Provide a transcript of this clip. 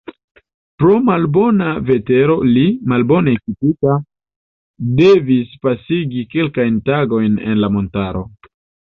Pro malbona vetero li, malbone ekipita, devis pasigi kelkajn tagojn en la montaro.